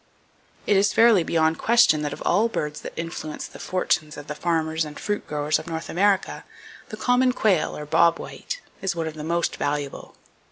It is fairly beyond question that of all birds that influence the fortunes of the farmers and fruit growers of North America, the common quail, or bob white, is one of the most valuable.